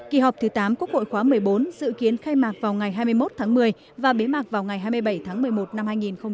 kỳ họp thứ tám quốc hội khóa một mươi bốn dự kiến khai mạc vào ngày hai mươi một tháng một mươi và bế mạc vào ngày hai mươi bảy tháng một mươi một năm hai nghìn hai mươi